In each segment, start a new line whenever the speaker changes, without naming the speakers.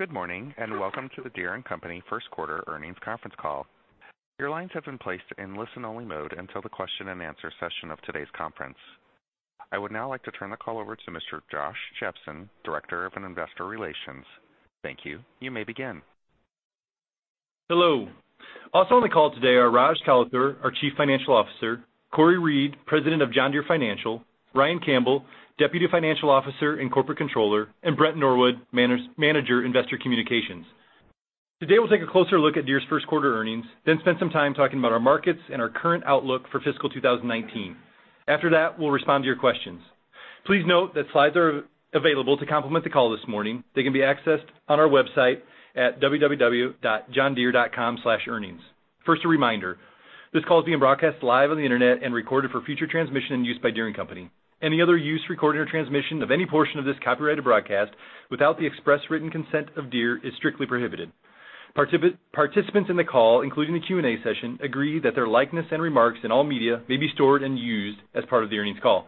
Good morning, and welcome to the Deere & Company first quarter earnings conference call. Your lines have been placed in listen-only mode until the question-and-answer session of today's conference. I would now like to turn the call over to Mr. Josh Jepsen, Director of Investor Relations. Thank you. You may begin.
Hello. Also on the call today are Raj Kalathur, our Chief Financial Officer, Cory Reed, President of John Deere Financial, Ryan Campbell, Deputy Financial Officer and Corporate Controller, and Brent Norwood, Manager, Investor Communications. Today, we'll take a closer look at Deere's first quarter earnings, then spend some time talking about our markets and our current outlook for fiscal 2019. After that, we'll respond to your questions. Please note that slides are available to complement the call this morning. They can be accessed on our website at www.johndeere.com/earnings. First, a reminder. This call is being broadcast live on the internet and recorded for future transmission and use by Deere & Company. Any other use, recording, or transmission of any portion of this copyrighted broadcast without the express written consent of Deere is strictly prohibited. Participants in the call, including the Q&A session, agree that their likeness and remarks in all media may be stored and used as part of the earnings call.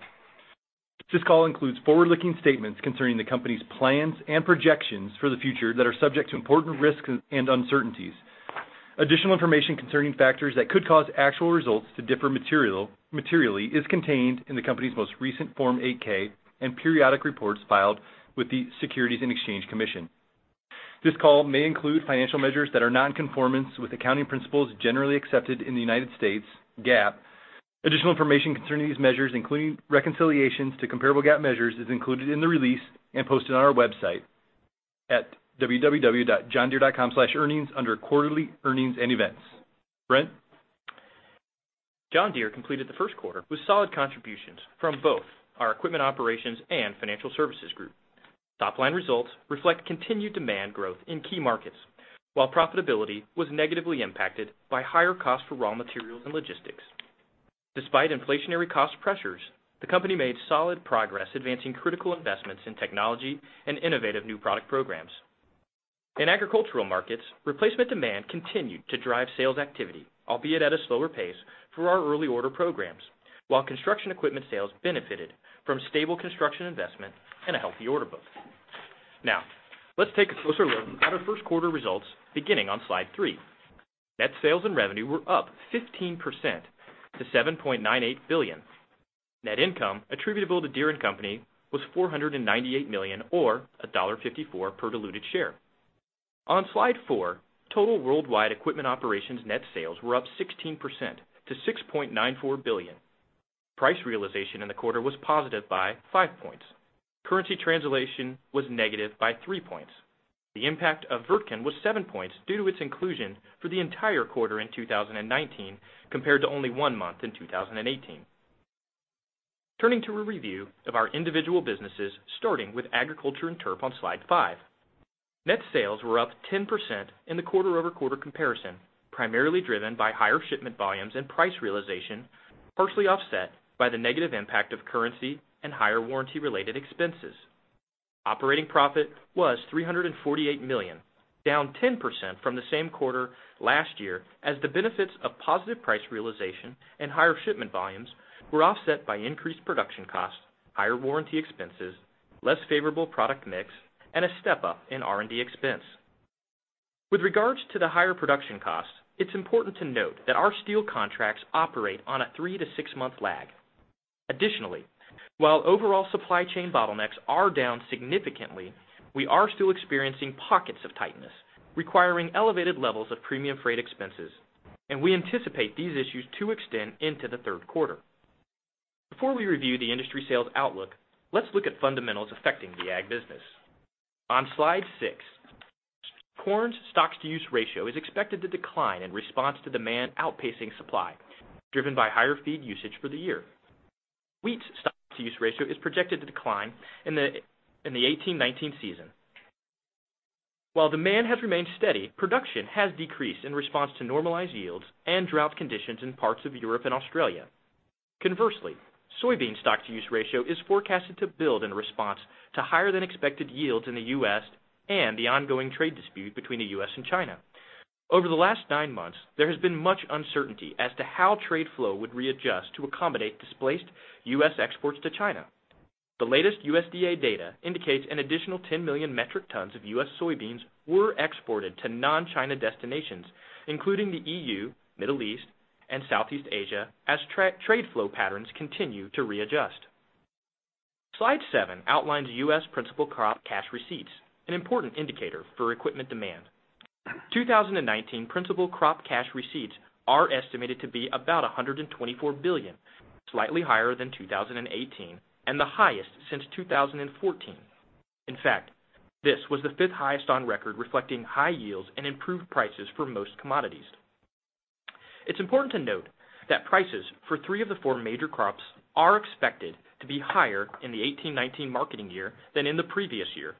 This call includes forward-looking statements concerning the company's plans and projections for the future that are subject to important risks and uncertainties. Additional information concerning factors that could cause actual results to differ materially is contained in the company's most recent Form 8-K and periodic reports filed with the Securities and Exchange Commission. This call may include financial measures that are not in conformance with accounting principles generally accepted in the United States, GAAP. Additional information concerning these measures, including reconciliations to comparable GAAP measures, is included in the release and posted on our website at www.johndeere.com/earnings under Quarterly Earnings and Events. Brent?
John Deere completed the first quarter with solid contributions from both our equipment operations and financial services group. Top-line results reflect continued demand growth in key markets, while profitability was negatively impacted by higher costs for raw materials and logistics. Despite inflationary cost pressures, the company made solid progress advancing critical investments in technology and innovative new product programs. In agricultural markets, replacement demand continued to drive sales activity, albeit at a slower pace for our early order programs. While construction equipment sales benefited from stable construction investment and a healthy order book. Now, let's take a closer look at our first quarter results beginning on slide three. Net sales and revenue were up 15% to $7.98 billion. Net income attributable to Deere & Company was $498 million or $1.54 per diluted share. On slide four, total worldwide equipment operations net sales were up 16% to $6.94 billion. Price realization in the quarter was positive by five points. Currency translation was negative by three points. The impact of Wirtgen was seven points due to its inclusion for the entire quarter in 2019, compared to only one month in 2018. Turning to a review of our individual businesses, starting with Agriculture and Turf on Slide five. Net sales were up 10% in the quarter-over-quarter comparison, primarily driven by higher shipment volumes and price realization, partially offset by the negative impact of currency and higher warranty-related expenses. Operating profit was $348 million, down 10% from the same quarter last year, as the benefits of positive price realization and higher shipment volumes were offset by increased production costs, higher warranty expenses, less favorable product mix, and a step-up in R&D expense. With regards to the higher production costs, it's important to note that our steel contracts operate on a three to six-month lag. Additionally, while overall supply chain bottlenecks are down significantly, we are still experiencing pockets of tightness, requiring elevated levels of premium freight expenses, and we anticipate these issues to extend into the third quarter. Before we review the industry sales outlook, let's look at fundamentals affecting the Ag business. On Slide six, corn's stocks to use ratio is expected to decline in response to demand outpacing supply, driven by higher feed usage for the year. Wheat's stocks to use ratio is projected to decline in the '18, '19 season. While demand has remained steady, production has decreased in response to normalized yields and drought conditions in parts of Europe and Australia. Conversely, soybean stocks to use ratio is forecasted to build in response to higher-than-expected yields in the U.S. and the ongoing trade dispute between the U.S. and China. The latest USDA data indicates an additional 10 million metric tons of U.S. soybeans were exported to non-China destinations, including the EU, Middle East, and Southeast Asia, as trade flow patterns continue to readjust. Slide seven outlines U.S. principal crop cash receipts, an important indicator for equipment demand. 2019 principal crop cash receipts are estimated to be about $124 billion, slightly higher than 2018 and the highest since 2014. In fact, this was the fifth highest on record, reflecting high yields and improved prices for most commodities. It's important to note that prices for three of the four major crops are expected to be higher in the '18, '19 marketing year than in the previous year.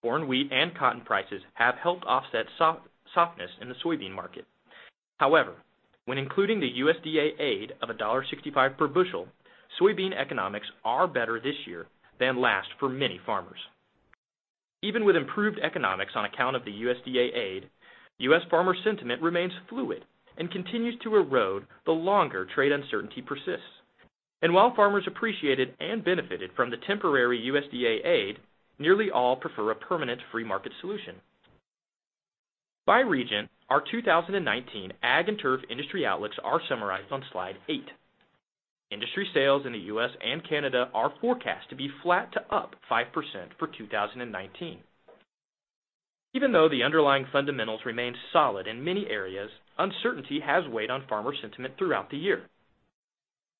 Corn, wheat, and cotton prices have helped offset softness in the soybean market. However, when including the USDA aid of $1.65 per bushel, soybean economics are better this year than last for many farmers. Even with improved economics on account of the USDA aid, U.S. farmer sentiment remains fluid and continues to erode the longer trade uncertainty persists. While farmers appreciated and benefited from the temporary USDA aid, nearly all prefer a permanent free-market solution. By region, our 2019 Ag and Turf industry outlooks are summarized on Slide eight. Industry sales in the U.S. and Canada are forecast to be flat to up 5% for 2019. Even though the underlying fundamentals remain solid in many areas, uncertainty has weighed on farmer sentiment throughout the year.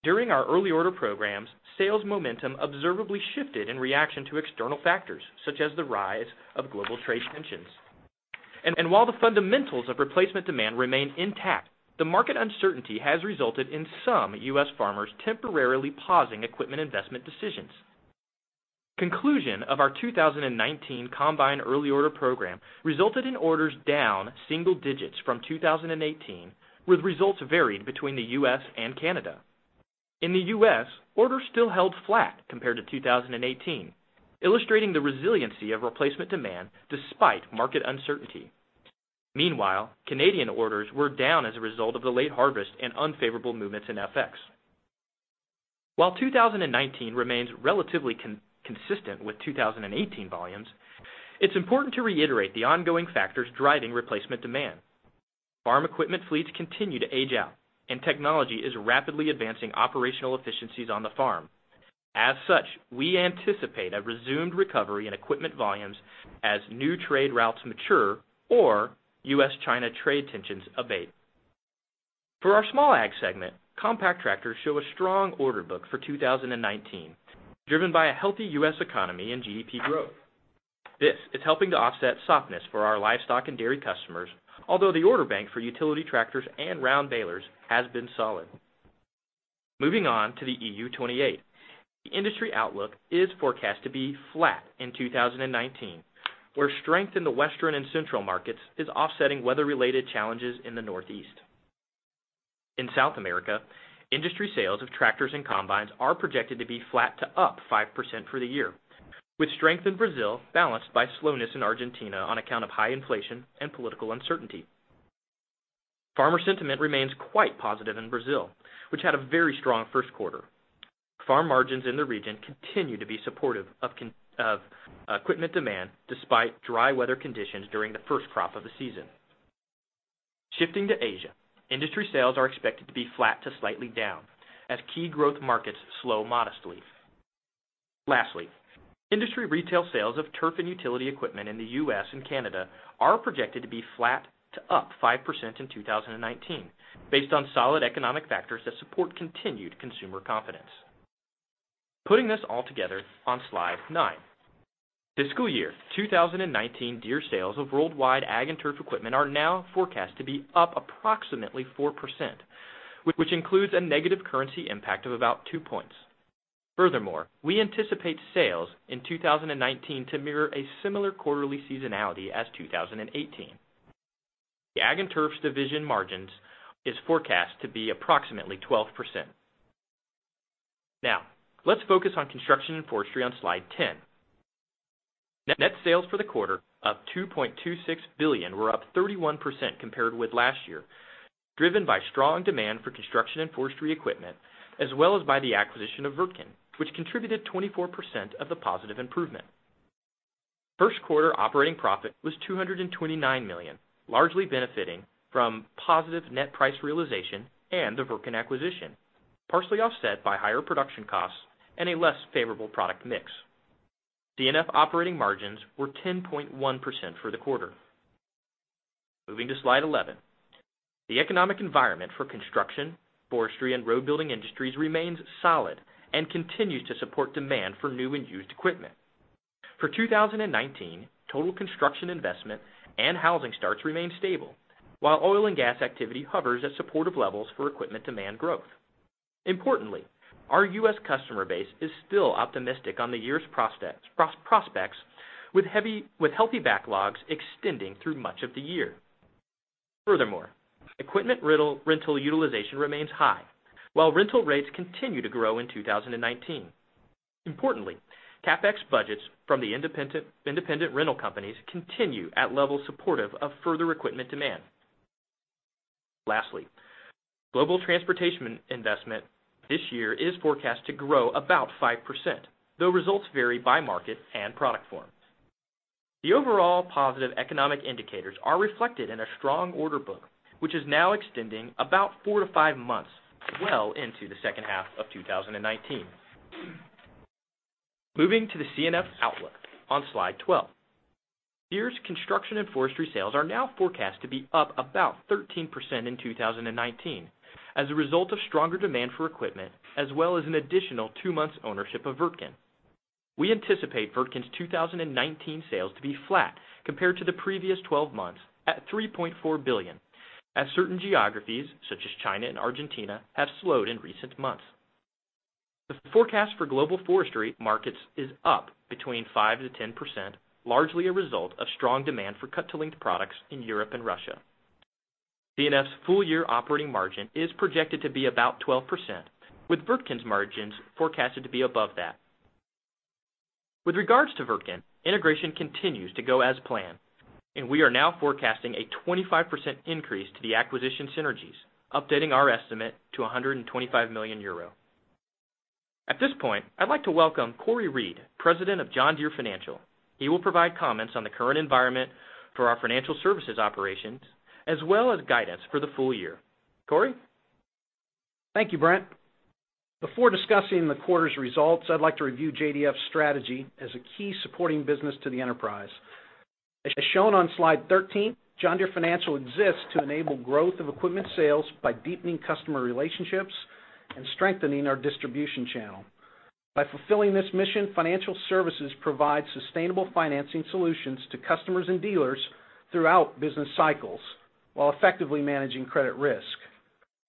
During our early order programs, sales momentum observably shifted in reaction to external factors such as the rise of global trade tensions. While the fundamentals of replacement demand remain intact, the market uncertainty has resulted in some U.S. farmers temporarily pausing equipment investment decisions. Conclusion of our 2019 Combine Early Order program resulted in orders down single digits from 2018, with results varied between the U.S. and Canada. In the U.S., orders still held flat compared to 2018, illustrating the resiliency of replacement demand despite market uncertainty. Meanwhile, Canadian orders were down as a result of the late harvest and unfavorable movements in FX. While 2019 remains relatively consistent with 2018 volumes, it's important to reiterate the ongoing factors driving replacement demand. Farm equipment fleets continue to age out. Technology is rapidly advancing operational efficiencies on the farm. As such, we anticipate a resumed recovery in equipment volumes as new trade routes mature or U.S.-China trade tensions abate. For our small Ag segment, compact tractors show a strong order book for 2019, driven by a healthy U.S. economy and GDP growth. This is helping to offset softness for our livestock and dairy customers, although the order bank for utility tractors and round balers has been solid. Moving on to the EU 28. The industry outlook is forecast to be flat in 2019, where strength in the Western and central markets is offsetting weather-related challenges in the Northeast. In South America, industry sales of tractors and combines are projected to be flat to up 5% for the year, with strength in Brazil balanced by slowness in Argentina on account of high inflation and political uncertainty. Farmer sentiment remains quite positive in Brazil, which had a very strong first quarter. Farm margins in the region continue to be supportive of equipment demand despite dry weather conditions during the first crop of the season. Shifting to Asia, industry sales are expected to be flat to slightly down as key growth markets slow modestly. Lastly, industry retail sales of turf and utility equipment in the U.S. and Canada are projected to be flat to up 5% in 2019, based on solid economic factors that support continued consumer confidence. Putting this all together on slide nine. Fiscal year 2019 Deere sales of worldwide Ag and Turf equipment are now forecast to be up approximately 4%, which includes a negative currency impact of about two points. Furthermore, we anticipate sales in 2019 to mirror a similar quarterly seasonality as 2018. The Ag and Turf division margins is forecast to be approximately 12%. Now, let's focus on Construction & Forestry on slide 10. Net sales for the quarter of $2.26 billion were up 31% compared with last year, driven by strong demand for Construction & Forestry equipment, as well as by the acquisition of Wirtgen, which contributed 24% of the positive improvement. First quarter operating profit was $229 million, largely benefiting from positive net price realization and the Wirtgen acquisition, partially offset by higher production costs and a less favorable product mix. C&F operating margins were 10.1% for the quarter. Moving to slide 11. The economic environment for Construction, Forestry, and road-building industries remains solid and continues to support demand for new and used equipment. For 2019, total construction investment and housing starts remain stable, while oil and gas activity hovers at supportive levels for equipment demand growth. Importantly, our U.S. customer base is still optimistic on the year's prospects with healthy backlogs extending through much of the year. Furthermore, equipment rental utilization remains high, while rental rates continue to grow in 2019. Importantly, CapEx budgets from the independent rental companies continue at levels supportive of further equipment demand. Lastly, global transportation investment this year is forecast to grow about 5%, though results vary by market and product forms. The overall positive economic indicators are reflected in a strong order book, which is now extending about four to five months well into the second half of 2019. Moving to the C&F outlook on slide 12. Deere's Construction and Forestry sales are now forecast to be up about 13% in 2019 as a result of stronger demand for equipment, as well as an additional two months ownership of Wirtgen. We anticipate Wirtgen's 2019 sales to be flat compared to the previous 12 months at $3.4 billion as certain geographies, such as China and Argentina, have slowed in recent months. The forecast for global forestry markets is up between 5%-10%, largely a result of strong demand for cut to length products in Europe and Russia. C&F's full year operating margin is projected to be about 12%, with Wirtgen's margins forecasted to be above that. With regards to Wirtgen, integration continues to go as planned, and we are now forecasting a 25% increase to the acquisition synergies, updating our estimate to 125 million euro. At this point, I'd like to welcome Cory Reed, President of John Deere Financial. He will provide comments on the current environment for our financial services operations, as well as guidance for the full year. Cory?
Thank you, Brent. Before discussing the quarter's results, I'd like to review JDF's strategy as a key supporting business to the enterprise. As shown on slide 13, John Deere Financial exists to enable growth of equipment sales by deepening customer relationships and strengthening our distribution channel. By fulfilling this mission, financial services provides sustainable financing solutions to customers and dealers throughout business cycles while effectively managing credit risk.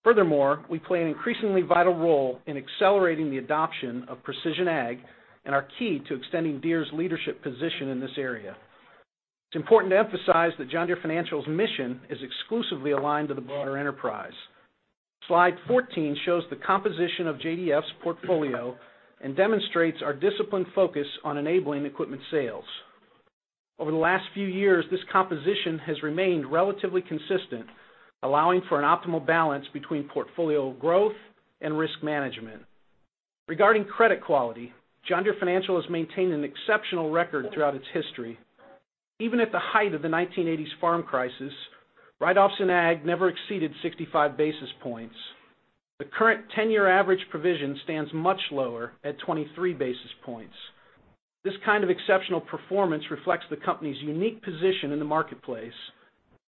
Furthermore, we play an increasingly vital role in accelerating the adoption of precision ag and are key to extending Deere's leadership position in this area. It's important to emphasize that John Deere Financial's mission is exclusively aligned to the broader enterprise. Slide 14 shows the composition of JDF's portfolio and demonstrates our disciplined focus on enabling equipment sales. Over the last few years, this composition has remained relatively consistent, allowing for an optimal balance between portfolio growth and risk management. Regarding credit quality, John Deere Financial has maintained an exceptional record throughout its history. Even at the height of the 1980s farm crisis, write-offs in ag never exceeded 65 basis points. The current 10-year average provision stands much lower, at 23 basis points. This kind of exceptional performance reflects the company's unique position in the marketplace.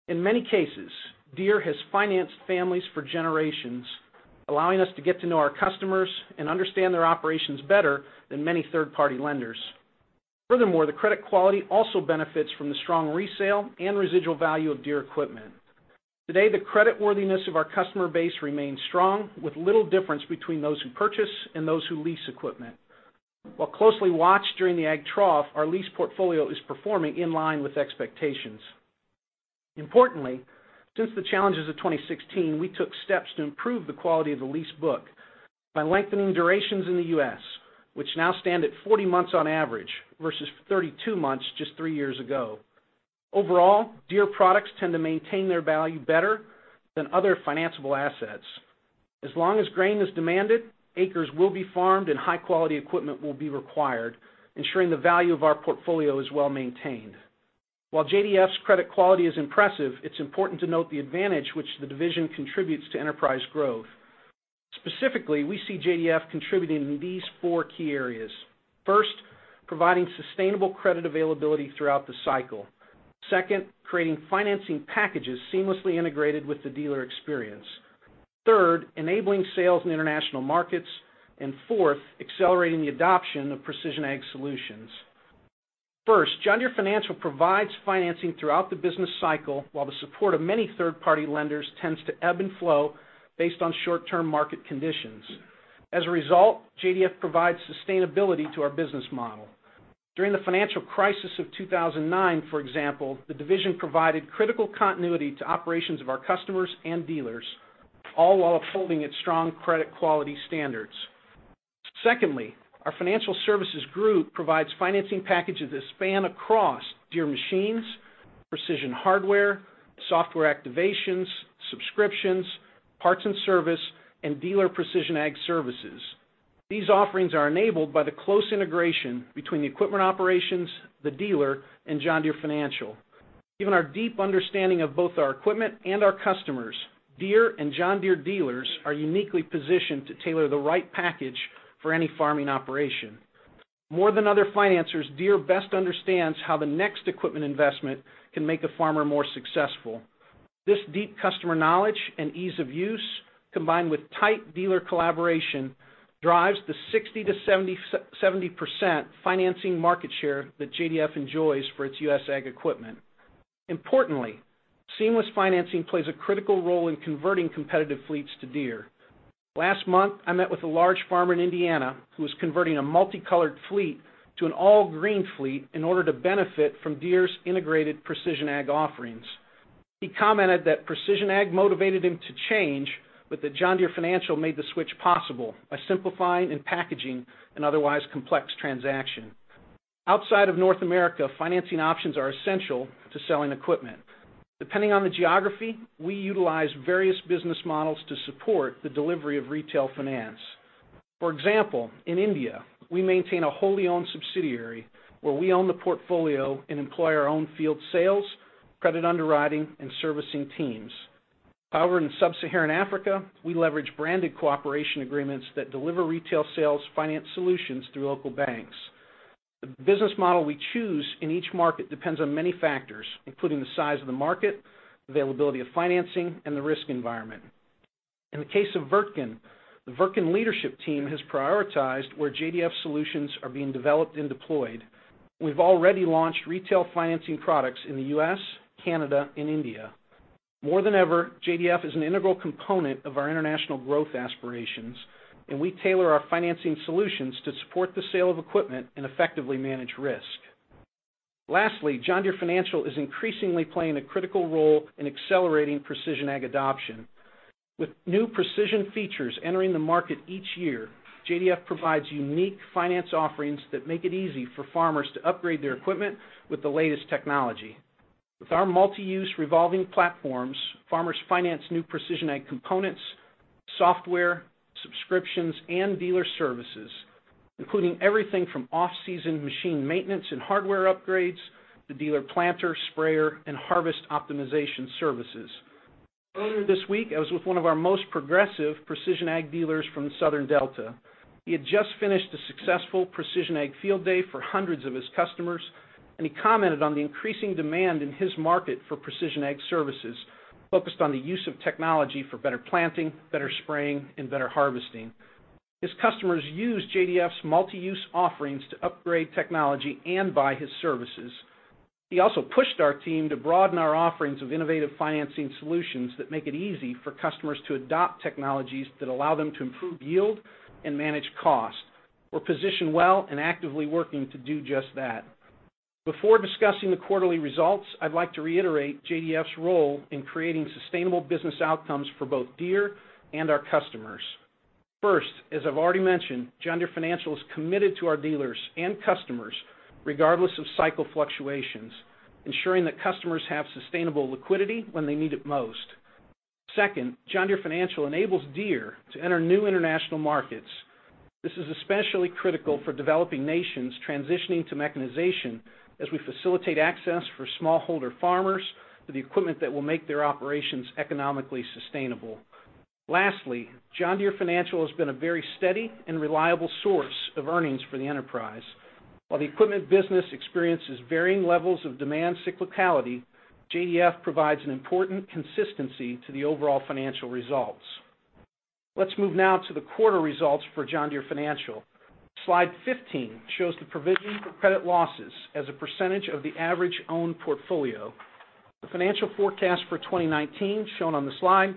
In many cases, Deere has financed families for generations, allowing us to get to know our customers and understand their operations better than many third-party lenders. Furthermore, the credit quality also benefits from the strong resale and residual value of Deere equipment. Today, the creditworthiness of our customer base remains strong, with little difference between those who purchase and those who lease equipment. While closely watched during the ag trough, our lease portfolio is performing in line with expectations. Importantly, since the challenges of 2016, we took steps to improve the quality of the lease book by lengthening durations in the U.S., which now stand at 40 months on average versus 32 months just three years ago. Overall, Deere products tend to maintain their value better than other financable assets. As long as grain is demanded, acres will be farmed, and high-quality equipment will be required, ensuring the value of our portfolio is well-maintained. While JDF's credit quality is impressive, it's important to note the advantage which the division contributes to enterprise growth. Specifically, we see JDF contributing in these four key areas. First, providing sustainable credit availability throughout the cycle. Second, creating financing packages seamlessly integrated with the dealer experience. Third, enabling sales in international markets. Fourth, accelerating the adoption of precision ag solutions. First, John Deere Financial provides financing throughout the business cycle, while the support of many third-party lenders tends to ebb and flow based on short-term market conditions. As a result, JDF provides sustainability to our business model. During the financial crisis of 2009, for example, the division provided critical continuity to operations of our customers and dealers, all while upholding its strong credit quality standards. Secondly, our financial services group provides financing packages that span across Deere machines, precision hardware, software activations, subscriptions, parts and service, and dealer precision ag services. These offerings are enabled by the close integration between the equipment operations, the dealer, and John Deere Financial. Given our deep understanding of both our equipment and our customers, Deere and John Deere dealers are uniquely positioned to tailor the right package for any farming operation. More than other financers, Deere best understands how the next equipment investment can make a farmer more successful. This deep customer knowledge and ease of use, combined with tight dealer collaboration, drives the 60%-70% financing market share that JDF enjoys for its U.S. ag equipment. Importantly, seamless financing plays a critical role in converting competitive fleets to Deere. Last month, I met with a large farmer in Indiana who was converting a multicolored fleet to an all-green fleet in order to benefit from Deere's integrated precision ag offerings. He commented that precision ag motivated him to change, but that John Deere Financial made the switch possible by simplifying and packaging an otherwise complex transaction. Outside of North America, financing options are essential to selling equipment. Depending on the geography, we utilize various business models to support the delivery of retail finance. For example, in India, we maintain a wholly owned subsidiary where we own the portfolio and employ our own field sales, credit underwriting, and servicing teams. However, in Sub-Saharan Africa, we leverage branded cooperation agreements that deliver retail sales finance solutions through local banks. The business model we choose in each market depends on many factors, including the size of the market, availability of financing, and the risk environment. In the case of Wirtgen, the Wirtgen leadership team has prioritized where JDF solutions are being developed and deployed. We've already launched retail financing products in the U.S., Canada, and India. More than ever, JDF is an integral component of our international growth aspirations, and we tailor our financing solutions to support the sale of equipment and effectively manage risk. Lastly, John Deere Financial is increasingly playing a critical role in accelerating precision ag adoption. With new precision features entering the market each year, JDF provides unique finance offerings that make it easy for farmers to upgrade their equipment with the latest technology. With our multi-use revolving platforms, farmers finance new precision ag components, software, subscriptions, and dealer services, including everything from off-season machine maintenance and hardware upgrades to dealer planter, sprayer, and harvest optimization services. Earlier this week, I was with one of our most progressive precision ag dealers from the Southern Delta. He had just finished a successful precision ag field day for hundreds of his customers, and he commented on the increasing demand in his market for precision ag services, focused on the use of technology for better planting, better spraying, and better harvesting. His customers use JDF's multi-use offerings to upgrade technology and buy his services. He also pushed our team to broaden our offerings of innovative financing solutions that make it easy for customers to adopt technologies that allow them to improve yield and manage cost. We're positioned well and actively working to do just that. Before discussing the quarterly results, I'd like to reiterate JDF's role in creating sustainable business outcomes for both Deere and our customers. First, as I've already mentioned, John Deere Financial is committed to our dealers and customers, regardless of cycle fluctuations, ensuring that customers have sustainable liquidity when they need it most. Second, John Deere Financial enables Deere to enter new international markets. This is especially critical for developing nations transitioning to mechanization as we facilitate access for smallholder farmers for the equipment that will make their operations economically sustainable. Lastly, John Deere Financial has been a very steady and reliable source of earnings for the enterprise. While the equipment business experiences varying levels of demand cyclicality, JDF provides an important consistency to the overall financial results. Let's move now to the quarter results for John Deere Financial. Slide 15 shows the provision for credit losses as a percentage of the average owned portfolio. The financial forecast for 2019, shown on the slide,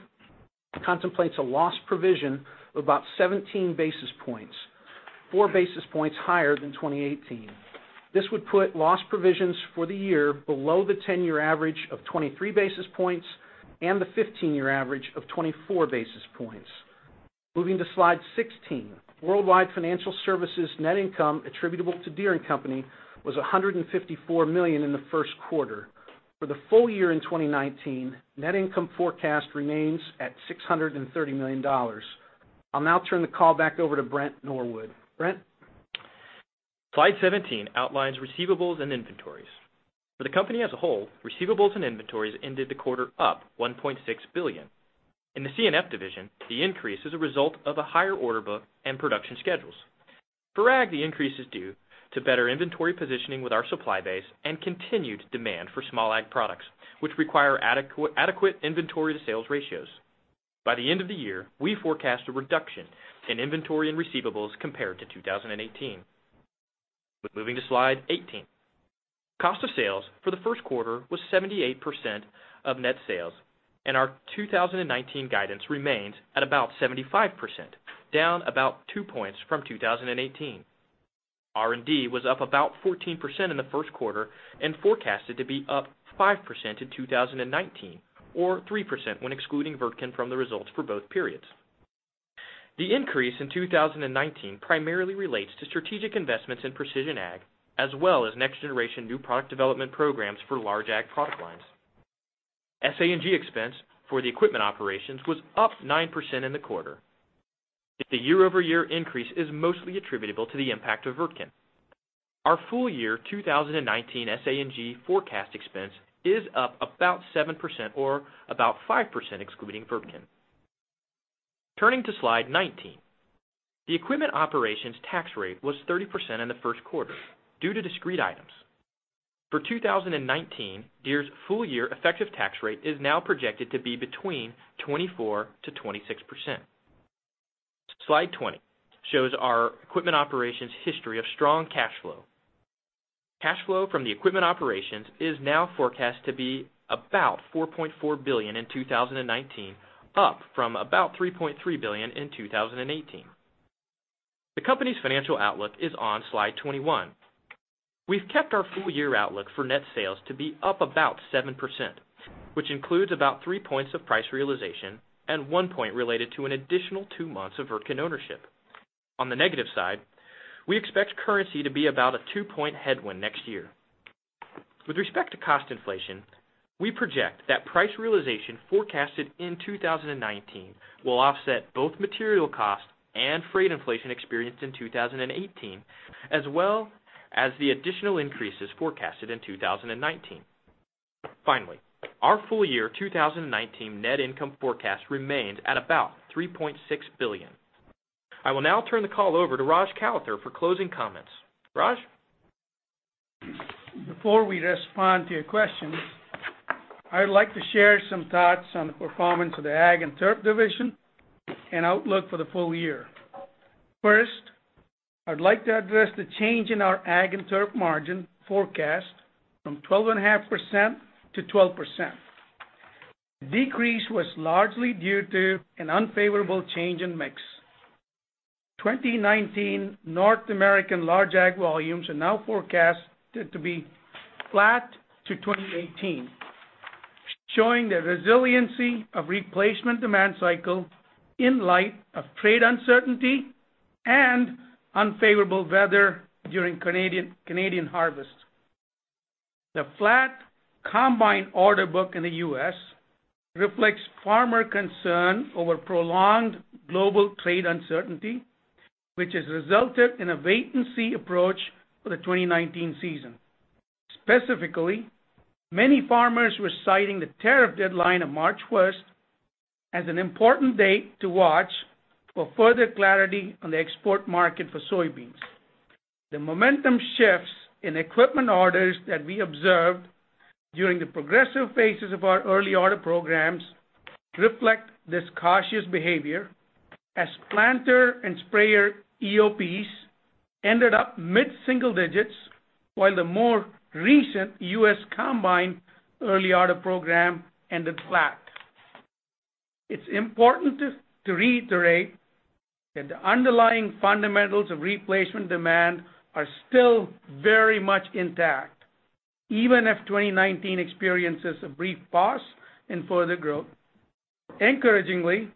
contemplates a loss provision of about 17 basis points, four basis points higher than 2018. This would put loss provisions for the year below the 10-year average of 23 basis points and the 15-year average of 24 basis points. Moving to slide 16. Worldwide financial services net income attributable to Deere & Company was $154 million in the first quarter. For the full year in 2019, net income forecast remains at $630 million. I'll now turn the call back over to Brent Norwood. Brent?
Slide 17 outlines receivables and inventories. For the company as a whole, receivables and inventories ended the quarter up $1.6 billion. In the C&F division, the increase is a result of a higher order book and production schedules. For Ag, the increase is due to better inventory positioning with our supply base and continued demand for small Ag products, which require adequate inventory to sales ratios. By the end of the year, we forecast a reduction in inventory and receivables compared to 2018. Moving to Slide 18. Cost of sales for the first quarter was 78% of net sales, and our 2019 guidance remains at about 75%, down about two points from 2018. R&D was up about 14% in the first quarter and forecasted to be up 5% in 2019, or 3% when excluding Wirtgen from the results for both periods. The increase in 2019 primarily relates to strategic investments in precision Ag, as well as next generation new product development programs for large Ag product lines. SA&G expense for the equipment operations was up 9% in the quarter. The year-over-year increase is mostly attributable to the impact of Wirtgen. Our full year 2019 SA&G forecast expense is up about 7%, or about 5% excluding Wirtgen. Turning to Slide 19. The equipment operations tax rate was 30% in the first quarter due to discrete items. For 2019, Deere's full year effective tax rate is now projected to be between 24%-26%. Slide 20 shows our equipment operations history of strong cash flow. Cash flow from the equipment operations is now forecast to be about $4.4 billion in 2019, up from about $3.3 billion in 2018. The company's financial outlook is on Slide 21. We've kept our full year outlook for net sales to be up about 7%, which includes about three points of price realization and one point related to an additional two months of Wirtgen ownership. On the negative side, we expect currency to be about a two-point headwind next year. With respect to cost inflation, we project that price realization forecasted in 2019 will offset both material cost and freight inflation experienced in 2018, as well as the additional increases forecasted in 2019. Finally, our full year 2019 net income forecast remains at about $3.6 billion. I will now turn the call over to Raj Kalathur for closing comments. Raj?
Before we respond to your questions, I'd like to share some thoughts on the performance of the Ag and Turf division and outlook for the full year. First, I'd like to address the change in our Ag and Turf margin forecast from 12.5%-12%. The decrease was largely due to an unfavorable change in mix. 2019 North American large ag volumes are now forecasted to be flat to 2018, showing the resiliency of replacement demand cycle in light of trade uncertainty and unfavorable weather during Canadian harvest. The flat combine order book in the U.S. reflects farmer concern over prolonged global trade uncertainty, which has resulted in a wait-and-see approach for the 2019 season. Specifically, many farmers were citing the tariff deadline of March 1st as an important date to watch for further clarity on the export market for soybeans. The momentum shifts in equipment orders that we observed during the progressive phases of our early order programs reflect this cautious behavior as planter and sprayer EOPs ended up mid-single digits, while the more recent U.S. combine early order program ended flat. It's important to reiterate that the underlying fundamentals of replacement demand are still very much intact, even if 2019 experiences a brief pause in further growth. Encouragingly,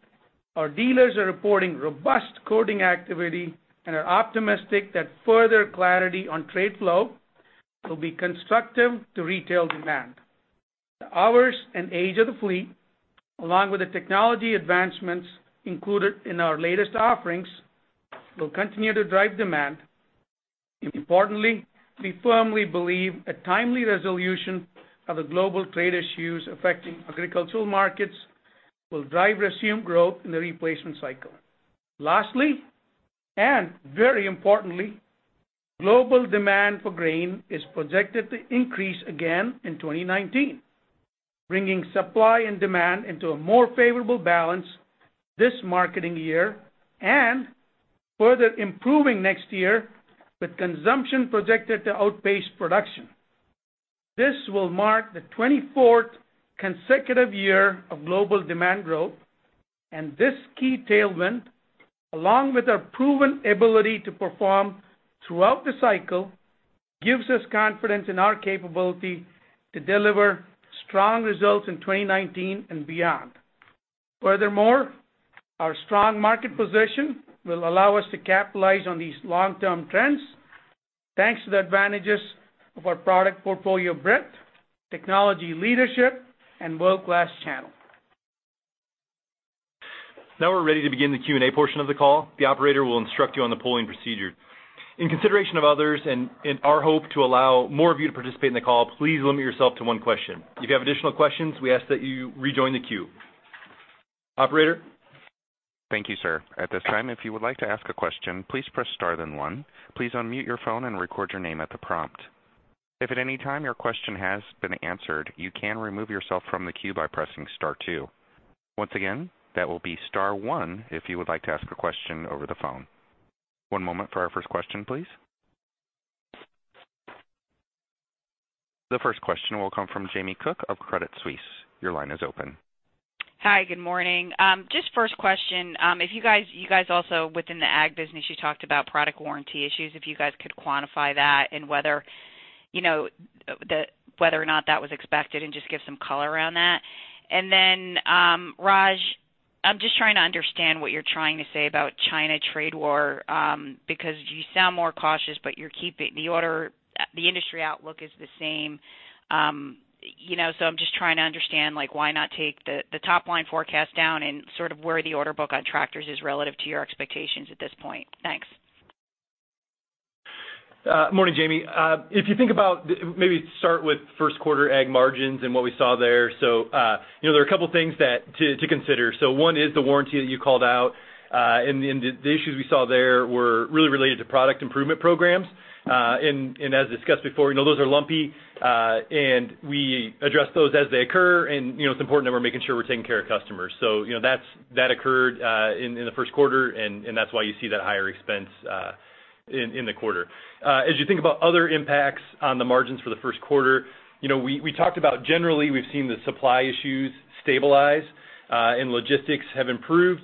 our dealers are reporting robust quoting activity and are optimistic that further clarity on trade flow will be constructive to retail demand. The hours and age of the fleet, along with the technology advancements included in our latest offerings, will continue to drive demand. Importantly, we firmly believe a timely resolution of the global trade issues affecting agricultural markets will drive resumed growth in the replacement cycle. Lastly, and very importantly, global demand for grain is projected to increase again in 2019, bringing supply and demand into a more favorable balance this marketing year and further improving next year with consumption projected to outpace production. This will mark the 24th consecutive year of global demand growth. This key tailwind, along with our proven ability to perform throughout the cycle, gives us confidence in our capability to deliver strong results in 2019 and beyond. Furthermore, our strong market position will allow us to capitalize on these long-term trends, thanks to the advantages of our product portfolio breadth, technology leadership, and world-class channel.
Now we're ready to begin the Q&A portion of the call. The operator will instruct you on the polling procedure. In consideration of others and in our hope to allow more of you to participate in the call, please limit yourself to one question. If you have additional questions, we ask that you rejoin the queue. Operator?
Thank you, sir. At this time, if you would like to ask a question, please press star then one. Please unmute your phone and record your name at the prompt. If at any time your question has been answered, you can remove yourself from the queue by pressing star two. Once again, that will be star one if you would like to ask a question over the phone. One moment for our first question, please. The first question will come from Jamie Cook of Credit Suisse. Your line is open.
Hi. Good morning. Just first question. If you guys also within the ag business, you talked about product warranty issues, if you guys could quantify that and whether or not that was expected and just give some color around that. Raj, I'm just trying to understand what you're trying to say about China trade war because you sound more cautious, but the industry outlook is the same. I'm just trying to understand why not take the top-line forecast down and sort of where the order book on tractors is relative to your expectations at this point. Thanks.
Morning, Jamie. If you think about maybe start with first quarter ag margins and what we saw there. There are a couple things to consider. One is the warranty that you called out. The issues we saw there were really related to product improvement programs. As discussed before, those are lumpy, and we address those as they occur, and it's important that we're making sure we're taking care of customers. That occurred in the first quarter, and that's why you see that higher expense in the quarter. As you think about other impacts on the margins for the first quarter, we talked about generally we've seen the supply issues stabilize and logistics have improved.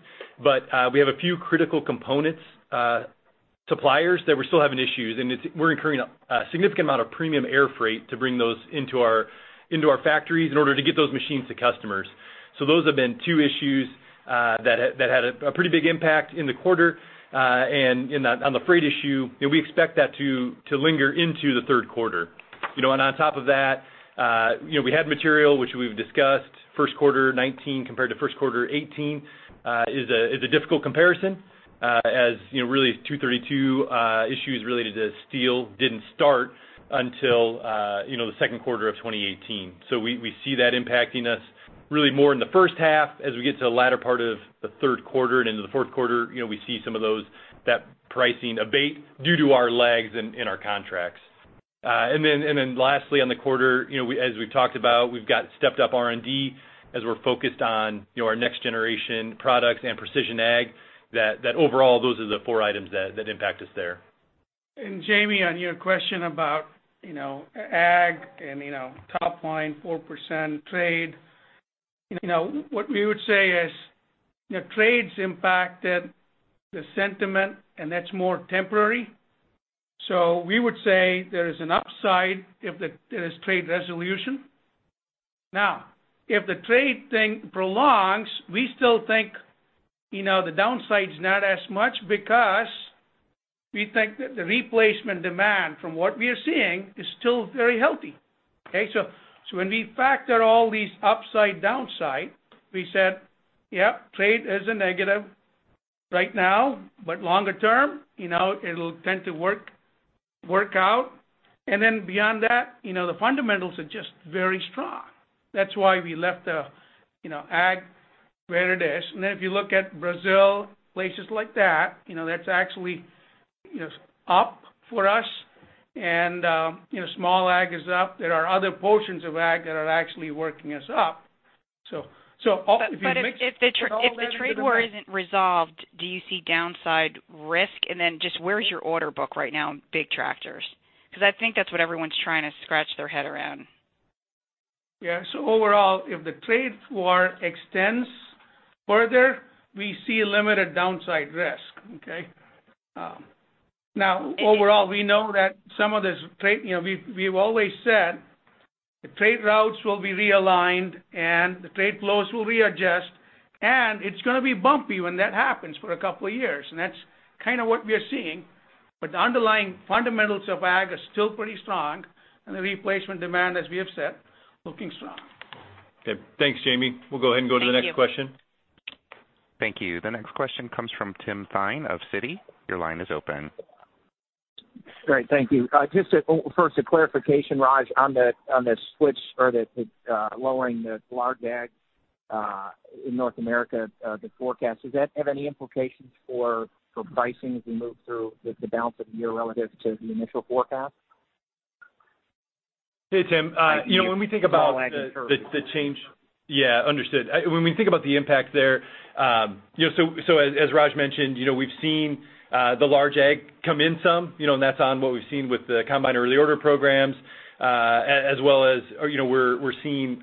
We have a few critical component suppliers that we're still having issues, and we're incurring a significant amount of premium air freight to bring those into our factories in order to get those machines to customers. Those have been two issues that had a pretty big impact in the quarter. On the freight issue, we expect that to linger into the third quarter. On top of that, we had material which we've discussed first quarter 2019 compared to first quarter 2018 is a difficult comparison as really 232 issues related to steel didn't start until the second quarter of 2018. We see that impacting us really more in the first half. As we get to the latter part of the third quarter and into the fourth quarter, we see some of that pricing abate due to our lags in our contracts. Lastly on the quarter, as we've talked about, we've got stepped up R&D as we're focused on our next generation products and precision ag that overall those are the four items that impact us there.
Jamie, on your question about ag and top line 4% trade. What we would say is trade's impacted the sentiment, and that's more temporary. We would say there is an upside if there is trade resolution. If the trade thing prolongs, we still think the downside's not as much because we think that the replacement demand from what we are seeing is still very healthy. Okay? When we factor all these upside, downside, we said, "Yep, trade is a negative right now, but longer term it'll tend to work out." Beyond that, the fundamentals are just very strong. That's why we left ag where it is. If you look at Brazil, places like that's actually up for us. Small ag is up. There are other portions of ag that are actually working us up.
If the trade war isn't resolved, do you see downside risk? Just where is your order book right now in big tractors? Because I think that's what everyone's trying to scratch their head around.
Yeah. Overall, if the trade war extends further, we see limited downside risk. Okay? Overall, we know that some of this trade, we've always said the trade routes will be realigned, and the trade flows will readjust, and it's going to be bumpy when that happens for a couple of years, and that's kind of what we are seeing. The underlying fundamentals of ag are still pretty strong and the replacement demand, as we have said, looking strong.
Okay. Thanks, Jamie. We'll go ahead and go to the next question.
Thank you.
The next question comes from Tim Thein of Citi. Your line is open.
Great. Thank you. Just first a clarification, Raj, on the switch or the lowering the large ag in North America, the forecast. Does that have any implications for pricing as we move through the balance of the year relative to the initial forecast?
Hey, Tim. When we think about the change-
Small ag and turf.
Yeah, understood. When we think about the impact there, as Raj mentioned, we've seen the large ag come in some. That's on what we've seen with the Combine early order programs, as well as we're seeing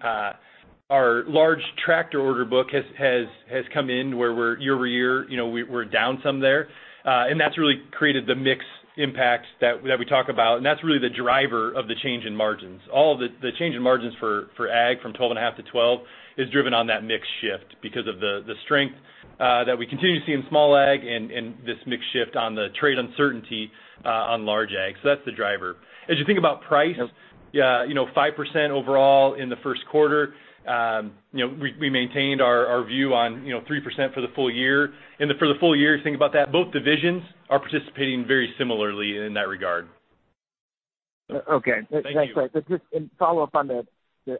our large tractor order book has come in where year-over-year we're down some there. That's really created the mix impacts that we talk about, that's really the driver of the change in margins. All the change in margins for ag from 12.5% to 12% is driven on that mix shift because of the strength that we continue to see in small ag and this mix shift on the trade uncertainty on large ag. That's the driver. As you think about price-
Yep.
Yeah, 5% overall in the first quarter. We maintained our view on 3% for the full year. For the full year, think about that, both divisions are participating very similarly in that regard.
Okay.
Thank you.
Thanks, Raj. Just in follow-up on the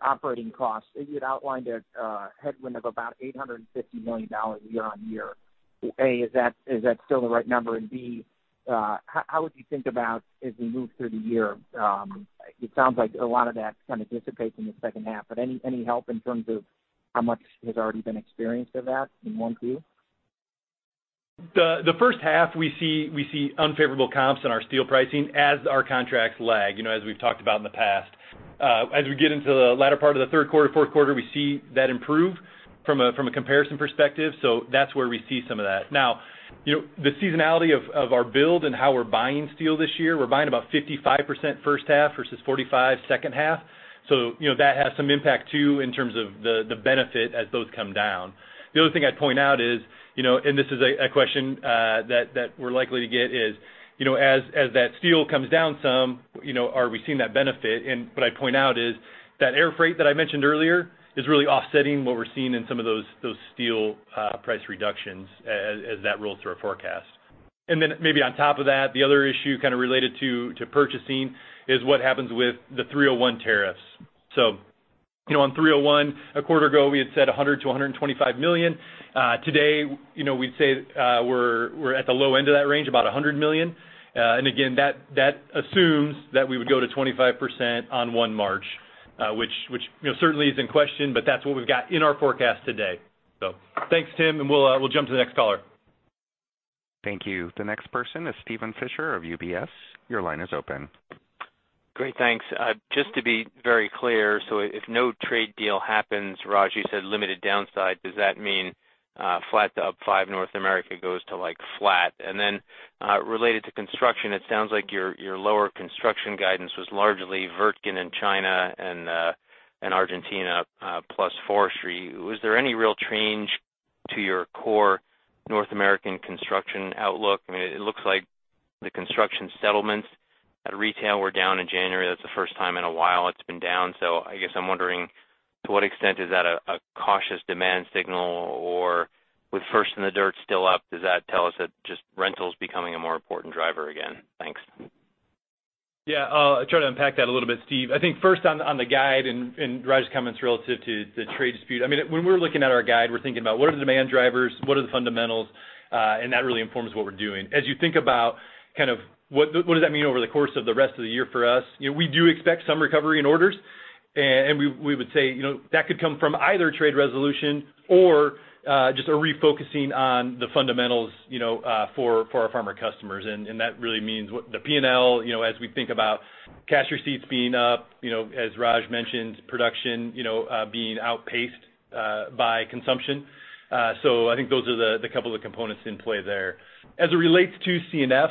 operating costs. You had outlined a headwind of about $850 million year-on-year. A, is that still the right number? B, how would you think about as we move through the year? It sounds like a lot of that kind of dissipates in the second half. Any help in terms of how much has already been experienced of that in one Q?
The first half we see unfavorable comps in our steel pricing as our contracts lag, as we've talked about in the past. As we get into the latter part of the third quarter, fourth quarter, we see that improve from a comparison perspective. That's where we see some of that. Now, the seasonality of our build and how we're buying steel this year, we're buying about 55% first half versus 45 second half. That has some impact too in terms of the benefit as those come down. The other thing I'd point out is, this is a question that we're likely to get is, as that steel comes down some, are we seeing that benefit? What I'd point out is that air freight that I mentioned earlier is really offsetting what we're seeing in some of those steel price reductions as that rolls through our forecast. Then maybe on top of that, the other issue kind of related to purchasing is what happens with the 301 tariffs. On 301, a quarter ago, we had said $100 million-$125 million. Today, we'd say we're at the low end of that range, about $100 million. Again, that assumes that we would go to 25% on 1 March, which certainly is in question, but that's what we've got in our forecast today. Thanks, Tim, and we'll jump to the next caller.
Thank you. The next person is Steven Fisher of UBS. Your line is open.
Great, thanks. Just to be very clear, if no trade deal happens, Raj, you said limited downside. Does that mean flat to up five, North America goes to like flat? Related to construction, it sounds like your lower construction guidance was largely Wirtgen in China and Argentina plus forestry. Was there any real change to your core North American construction outlook? I mean, it looks like the construction settlements at retail were down in January. That's the first time in a while it's been down. I guess I'm wondering to what extent is that a cautious demand signal or with First-in-the-Dirt still up, does that tell us that just rental's becoming a more important driver again? Thanks.
Yeah. I'll try to unpack that a little bit, Steve. I think first on the guide and Raj's comments relative to the trade dispute. We're looking at our guide, we're thinking about what are the demand drivers, what are the fundamentals, and that really informs what we're doing. As you think about what does that mean over the course of the rest of the year for us, we do expect some recovery in orders. We would say that could come from either trade resolution or just a refocusing on the fundamentals for our farmer customers. That really means what the P&L as we think about cash receipts being up. As Raj mentioned, production being outpaced by consumption. I think those are the couple of components in play there. As it relates to C&F,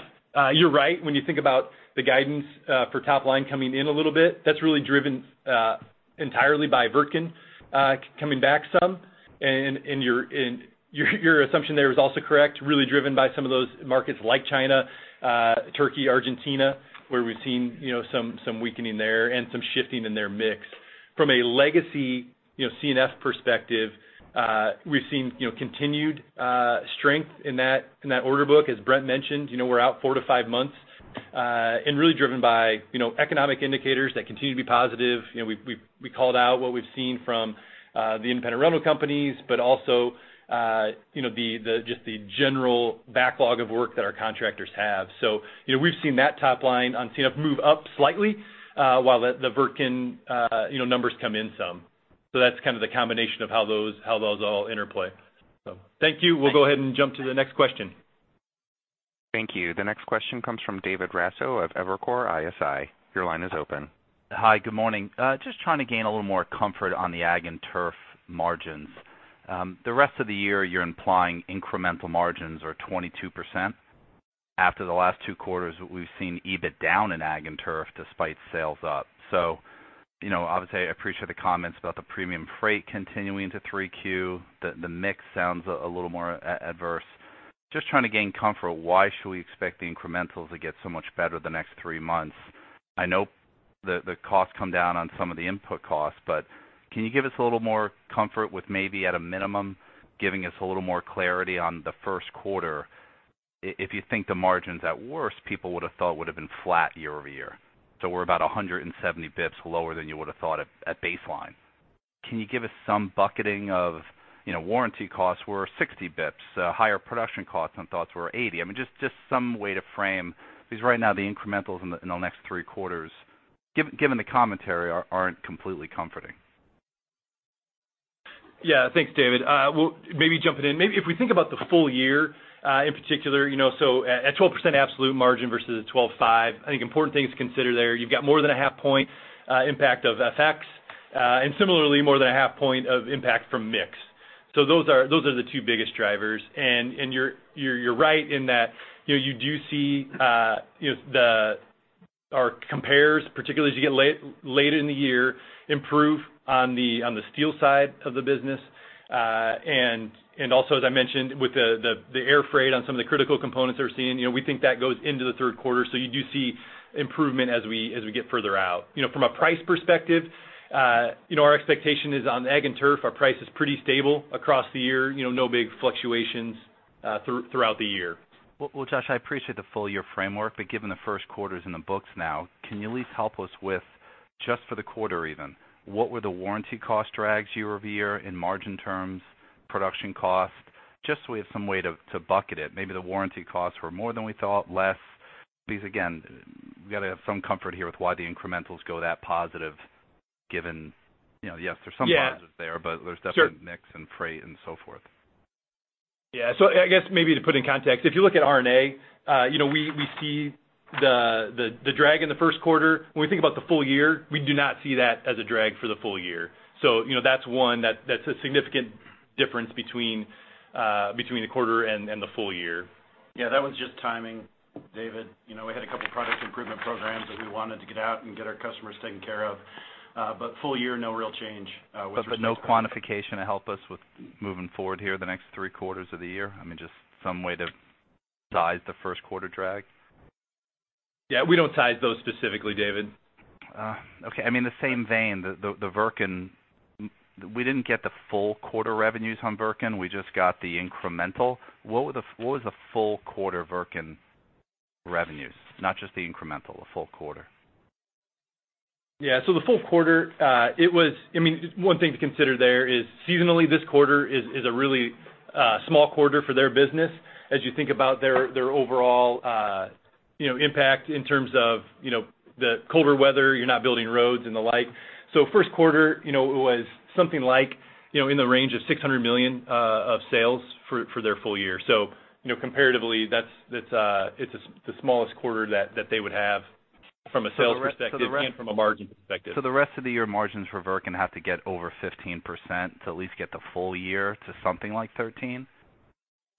you're right. You think about the guidance for top line coming in a little bit, that's really driven entirely by Wirtgen coming back some. Your assumption there is also correct, really driven by some of those markets like China, Turkey, Argentina, where we've seen some weakening there and some shifting in their mix. From a legacy C&F perspective, we've seen continued strength in that order book. As Brent mentioned, we're out four to five months, really driven by economic indicators that continue to be positive. We called out what we've seen from the independent rental companies, also just the general backlog of work that our contractors have. We've seen that top line on C&F move up slightly while the Wirtgen numbers come in some. That's kind of the combination of how those all interplay. Thank you. We'll go ahead and jump to the next question.
Thank you. The next question comes from David Raso of Evercore ISI. Your line is open.
Hi. Good morning. Just trying to gain a little more comfort on the Agriculture and Turf margins. The rest of the year, you're implying incremental margins are 22%. After the last two quarters, we've seen EBIT down in Agriculture and Turf despite sales up. Obviously, I appreciate the comments about the premium freight continuing to 3Q. The mix sounds a little more adverse. Just trying to gain comfort, why should we expect the incrementals to get so much better the next three months? I know the costs come down on some of the input costs, but can you give us a little more comfort with maybe at a minimum, giving us a little more clarity on the first quarter? If you think the margins at worst, people would've thought would've been flat year-over-year. We're about 170 basis points lower than you would've thought at baseline. Can you give us some bucketing of warranty costs were 60 basis points, higher production costs than thoughts were 80 basis points? Just some way to frame, because right now the incrementals in the next three quarters, given the commentary, aren't completely comforting.
Yeah. Thanks, David. Well, maybe jumping in, maybe if we think about the full year, in particular, at 12% absolute margin versus a 12.5%, I think important things to consider there, you've got more than a half point impact of FX, and similarly, more than a half point of impact from mix. Those are the two biggest drivers. You're right in that you do see our compares, particularly as you get later in the year, improve on the steel side of the business. Also, as I mentioned with the air freight on some of the critical components that we're seeing, we think that goes into the third quarter. You do see improvement as we get further out. From a price perspective our expectation is on the Agriculture and Turf, our price is pretty stable across the year. No big fluctuations throughout the year.
Well, Josh, I appreciate the full year framework, but given the first quarter's in the books now, can you at least help us with just for the quarter even, what were the warranty cost drags year-over-year in margin terms, production cost, just so we have some way to bucket it. Maybe the warranty costs were more than we thought, less. Please, again, we got to have some comfort here with why the incrementals go that positive given, yes, there's some positives there.
Yeah.
There's definitely mix and freight and so forth.
Yeah. I guess maybe to put in context, if you look at R&A we see the drag in the first quarter. When we think about the full year, we do not see that as a drag for the full year. That's one that's a significant difference between the quarter and the full year.
Yeah, that one's just timing, David. We had a couple of product improvement programs that we wanted to get out and get our customers taken care of. Full year, no real change with respect to that.
No quantification to help us with moving forward here the next three quarters of the year? Just some way to size the first quarter drag.
We don't size those specifically, David.
In the same vein, the Wirtgen, we didn't get the full quarter revenues on Wirtgen. We just got the incremental. What was the full quarter Wirtgen revenues? Not just the incremental, the full quarter.
The full quarter, one thing to consider there is seasonally, this quarter is a really small quarter for their business as you think about their overall impact in terms of the colder weather, you're not building roads and the like. First quarter, it was something like in the range of $600 million of sales for their full year. Comparatively, it's the smallest quarter that they would have from a sales perspective and from a margin perspective.
The rest of the year margins for Wirtgen have to get over 15% to at least get the full year to something like 13%?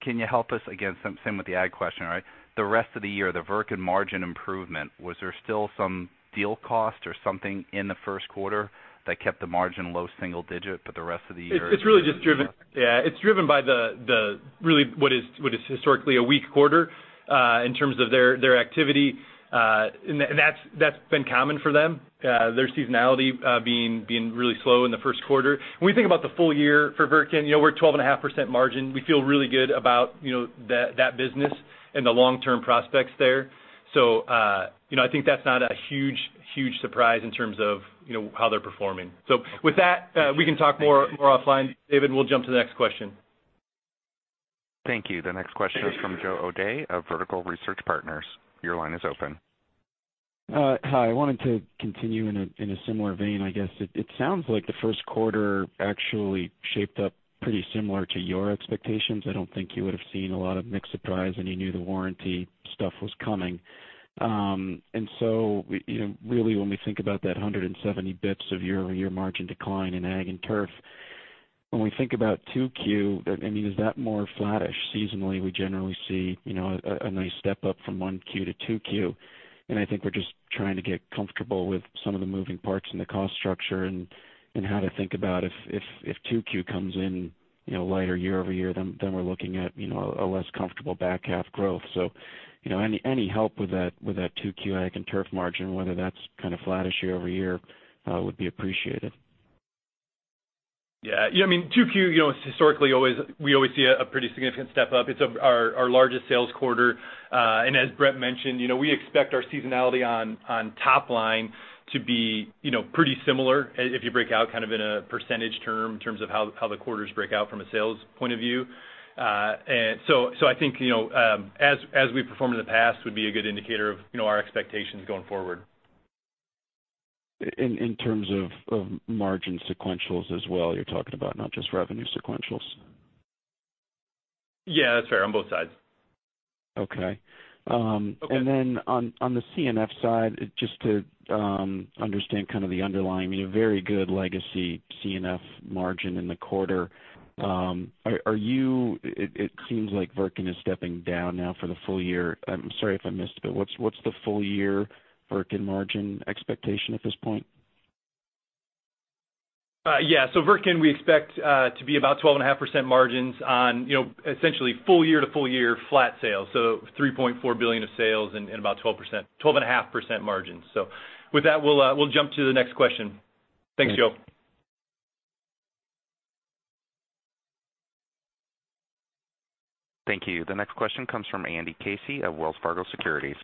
Can you help us, again, same with the ag question, right? The rest of the year, the Wirtgen margin improvement, was there still some deal cost or something in the first quarter that kept the margin low single digit?
It's really just driven by really what is historically a weak quarter in terms of their activity. That's been common for them their seasonality being really slow in the first quarter. When we think about the full year for Wirtgen, we're a 12.5% margin. We feel really good about that business and the long-term prospects there. I think that's not a huge surprise in terms of how they're performing. With that, we can talk more offline, David. We'll jump to the next question.
Thank you. The next question is from Joseph O'Dea of Vertical Research Partners. Your line is open.
Hi. I wanted to continue in a similar vein, I guess. It sounds like the first quarter actually shaped up pretty similar to your expectations. I don't think you would've seen a lot of mix surprise, and you knew the warranty stuff was coming. Really when we think about that 170 basis points of year-over-year margin decline in Ag and Turf. When we think about 2Q, I mean, is that more flattish seasonally? We generally see a nice step up from 1Q to 2Q. I think we're just trying to get comfortable with some of the moving parts in the cost structure and how to think about if 2Q comes in lighter year-over-year, then we're looking at a less comfortable back half growth. Any help with that 2Q Ag and Turf margin, whether that's kind of flattish year-over-year, would be appreciated.
Yeah. 2Q, historically we always see a pretty significant step up. It's our largest sales quarter. As Brent mentioned, we expect our seasonality on top line to be pretty similar if you break out kind of in a % term in terms of how the quarters break out from a sales point of view. I think, as we performed in the past would be a good indicator of our expectations going forward.
In terms of margin sequentials as well you're talking about, not just revenue sequentials.
Yeah, that's fair. On both sides.
Okay.
Okay.
Then on the C&F side, just to understand kind of the underlying, a very good legacy C&F margin in the quarter. It seems like Wirtgen is stepping down now for the full year. I'm sorry if I missed it, but what's the full year Wirtgen margin expectation at this point?
Wirtgen we expect to be about 12.5% margins on essentially full year to full year flat sales, $3.4 billion of sales and about 12.5% margins. With that, we'll jump to the next question. Thanks, Joe.
Thank you. The next question comes from Andy Casey of Wells Fargo Securities.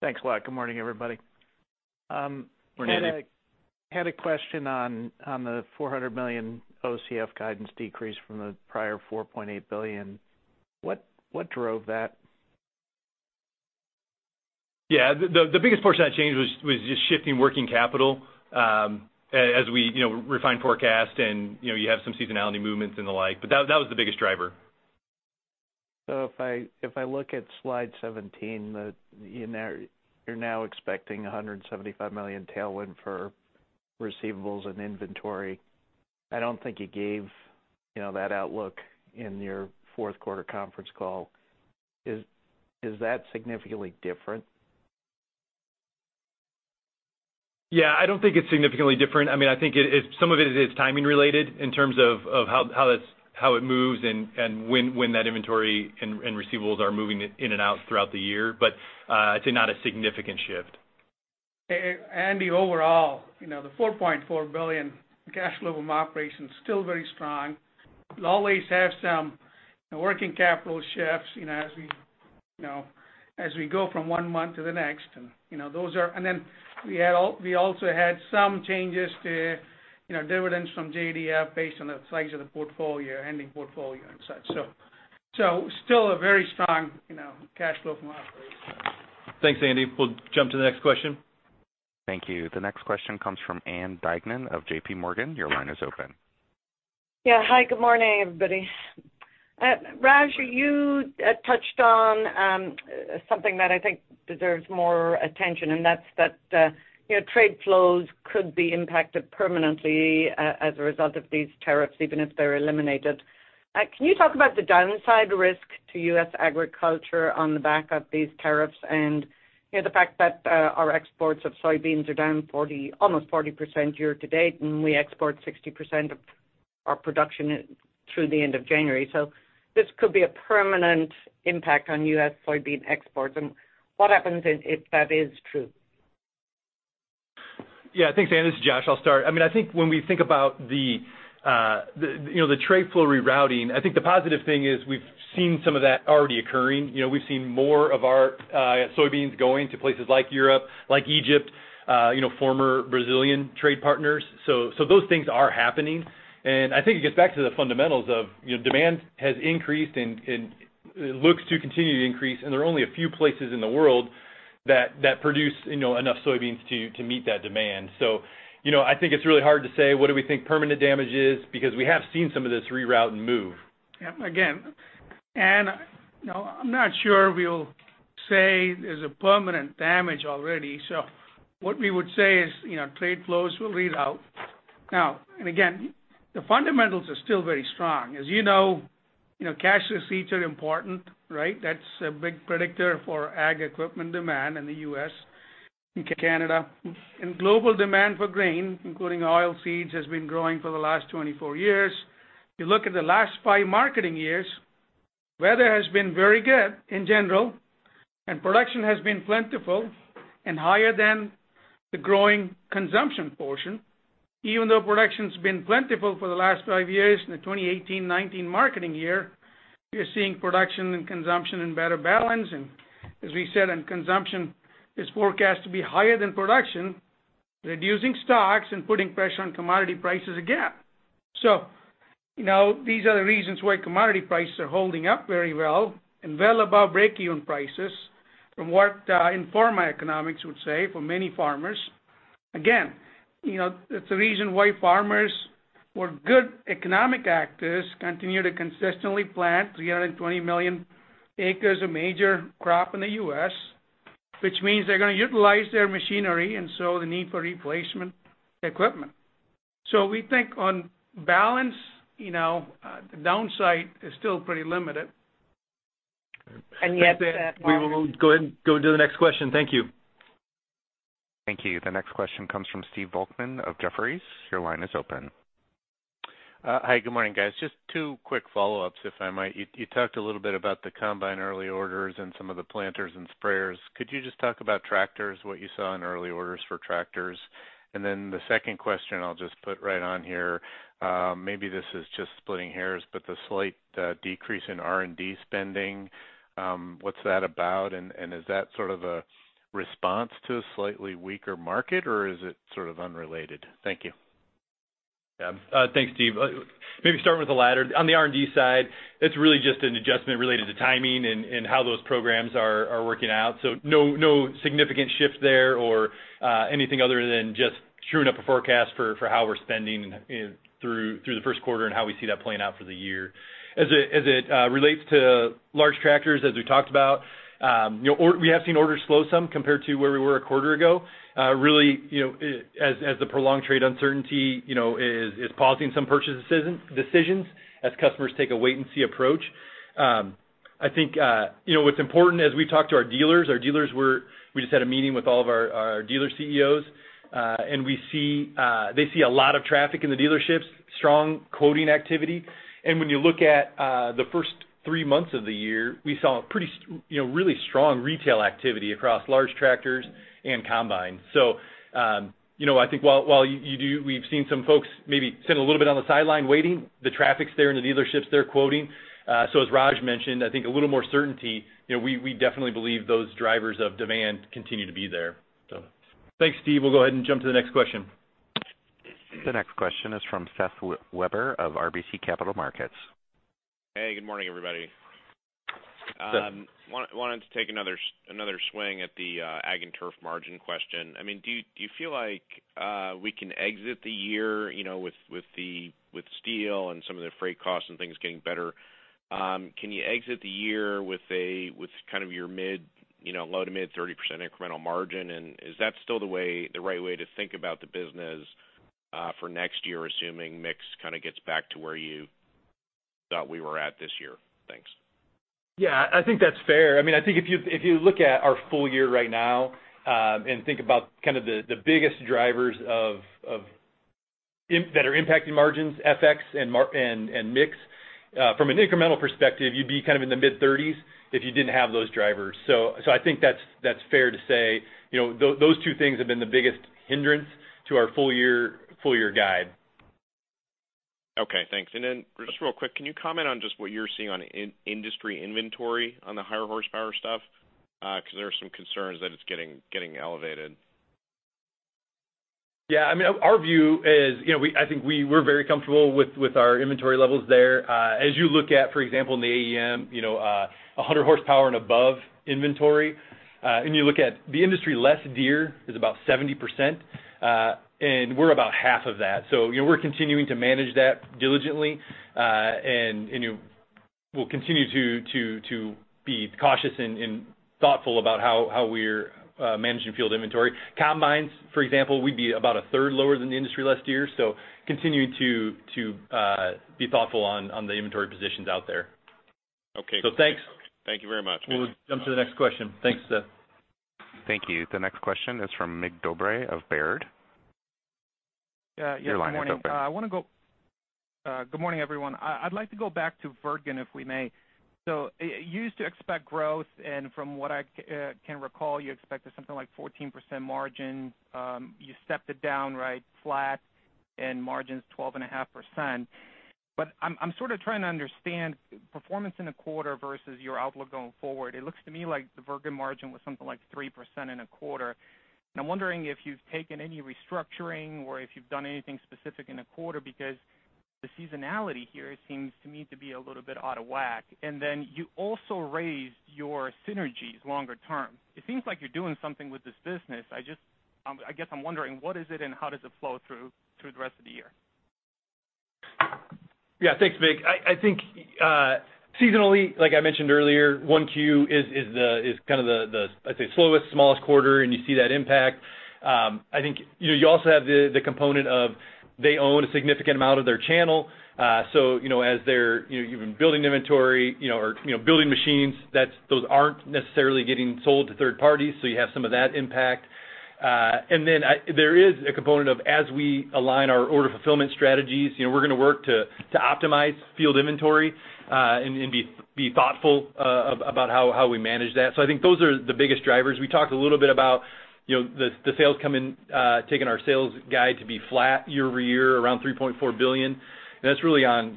Thanks a lot. Good morning, everybody.
Morning.
I had a question on the $400 million OCF guidance decrease from the prior $4.8 billion. What drove that?
The biggest portion of that change was just shifting working capital as we refined forecast and you have some seasonality movements and the like, but that was the biggest driver.
If I look at slide 17, you're now expecting $175 million tailwind for receivables and inventory. I don't think you gave that outlook in your fourth quarter conference call. Is that significantly different?
I don't think it's significantly different. I think some of it is timing related in terms of how it moves and when that inventory and receivables are moving in and out throughout the year. I'd say not a significant shift.
Andy, overall, the $4.4 billion cash flow from operations is still very strong. We'll always have some working capital shifts as we go from one month to the next. We also had some changes to dividends from JDF based on the size of the ending portfolio and such. Still a very strong cash flow from operations.
Thanks, Andy. We'll jump to the next question.
Thank you. The next question comes from Ann Duignan of J.P. Morgan. Your line is open.
Yeah. Hi, good morning, everybody. Raj, you touched on something that I think deserves more attention, and that's that trade flows could be impacted permanently as a result of these tariffs, even if they're eliminated. Can you talk about the downside risk to U.S. agriculture on the back of these tariffs and the fact that our exports of soybeans are down almost 40% year-to-date, and we export 60% of our production through the end of January. This could be a permanent impact on U.S. soybean exports. What happens if that is true?
Yeah. Thanks, Ann. This is Josh. I'll start. I think when we think about the trade flow rerouting, I think the positive thing is we've seen some of that already occurring. We've seen more of our soybeans going to places like Europe, like Egypt, former Brazilian trade partners. Those things are happening. I think it gets back to the fundamentals of demand has increased and looks to continue to increase, and there are only a few places in the world that produce enough soybeans to meet that demand. I think it's really hard to say what do we think permanent damage is because we have seen some of this reroute and move.
Yeah. Again, Ann, I'm not sure we'll say there's a permanent damage already. What we would say is trade flows will reroute. Now, again, the fundamentals are still very strong. As you know, cash receipts are important, right? That's a big predictor for ag equipment demand in the U.S. and Canada. Global demand for grain, including oil seeds, has been growing for the last 24 years. You look at the last five marketing years, weather has been very good in general, and production has been plentiful and higher than the growing consumption portion. Even though production's been plentiful for the last five years, in the 2018/19 marketing year, we are seeing production and consumption in better balance. As we said, consumption is forecast to be higher than production, reducing stocks and putting pressure on commodity prices again. These are the reasons why commodity prices are holding up very well and well above break-even prices from what Informa Economics would say for many farmers. Again, that's the reason why farmers who are good economic actors continue to consistently plant 320 million acres of major crop in the U.S. Which means they're going to utilize their machinery, and so the need for replacement equipment. We think on balance, the downside is still pretty limited.
Yet that margin-
We will go ahead and go to the next question. Thank you.
Thank you. The next question comes from Stephen Volkmann of Jefferies. Your line is open.
Hi, good morning, guys. Just two quick follow-ups if I might. You talked a little bit about the combine early orders and some of the planters and sprayers. Could you just talk about tractors, what you saw in early orders for tractors? Then the second question I'll just put right on here. Maybe this is just splitting hairs, but the slight decrease in R&D spending, what's that about? Is that sort of a response to a slightly weaker market, or is it sort of unrelated? Thank you.
Yeah. Thanks, Steve. Maybe starting with the latter. On the R&D side, it's really just an adjustment related to timing and how those programs are working out. No significant shift there or anything other than just truing up a forecast for how we're spending through the first quarter and how we see that playing out for the year. As it relates to large tractors, as we talked about, we have seen orders slow some compared to where we were a quarter ago. Really, as the prolonged trade uncertainty is pausing some purchase decisions as customers take a wait-and-see approach. I think what's important as we talk to our dealers, we just had a meeting with all of our dealer CEOs. They see a lot of traffic in the dealerships, strong quoting activity. When you look at the first three months of the year, we saw really strong retail activity across large tractors and combines. I think while we've seen some folks maybe sit a little bit on the sideline waiting, the traffic's there in the dealerships, they're quoting. As Raj mentioned, I think a little more certainty, we definitely believe those drivers of demand continue to be there. Thanks, Steve. We'll go ahead and jump to the next question.
The next question is from Seth Weber of RBC Capital Markets.
Hey, good morning, everybody.
Seth.
Wanted to take another swing at the ag and turf margin question. Do you feel like we can exit the year with steel and some of the freight costs and things getting better? Can you exit the year with kind of your low to mid 30% incremental margin? Is that still the right way to think about the business for next year, assuming mix kind of gets back to where you thought we were at this year? Thanks.
Yeah, I think that's fair. I think if you look at our full year right now, think about kind of the biggest drivers that are impacting margins, FX and mix. From an incremental perspective, you'd be kind of in the mid-30s if you didn't have those drivers. I think that's fair to say. Those two things have been the biggest hindrance to our full year guide.
Okay, thanks. Just real quick, can you comment on just what you're seeing on industry inventory on the higher horsepower stuff? Because there are some concerns that it's getting elevated.
Yeah. Our view is I think we're very comfortable with our inventory levels there. As you look at, for example, in the AEM, 100 horsepower and above inventory, and you look at the industry less Deere is about 70%, and we're about half of that. We're continuing to manage that diligently. We'll continue to be cautious and thoughtful about how we're managing field inventory. Combines, for example, we'd be about a third lower than the industry last year. Continuing to be thoughtful on the inventory positions out there.
Okay. Thanks. Thank you very much.
We'll jump to the next question. Thanks, Seth.
Thank you. The next question is from Mig Dobre of Baird. Your line is open.
Good morning. Good morning, everyone. I'd like to go back to Wirtgen, if we may. You used to expect growth, and from what I can recall, you expected something like 14% margin. You stepped it down, right, flat and margins 12.5%. I'm sort of trying to understand performance in a quarter versus your outlook going forward. It looks to me like the Wirtgen margin was something like 3% in a quarter. I'm wondering if you've taken any restructuring or if you've done anything specific in a quarter because the seasonality here seems to me to be a little bit out of whack. You also raised your synergies longer term. It seems like you're doing something with this business. I guess I'm wondering what is it and how does it flow through the rest of the year?
Thanks, Mig. I think seasonally, like I mentioned earlier, 1Q is kind of the, I'd say slowest, smallest quarter, and you see that impact. I think you also have the component of they own a significant amount of their channel. As they're even building inventory or building machines, those aren't necessarily getting sold to third parties, you have some of that impact. There is a component of as we align our order fulfillment strategies, we're going to work to optimize field inventory, and be thoughtful about how we manage that. I think those are the biggest drivers. We talked a little bit about the sales coming, taking our sales guide to be flat year-over-year around $3.4 billion. That's really on,